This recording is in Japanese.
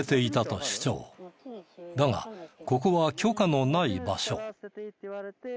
だがここは許可のない場所。